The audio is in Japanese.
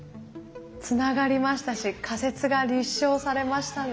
つながりましたし仮説が立証されましたね。